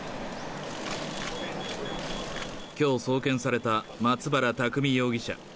きょう、送検された松原拓海容疑者。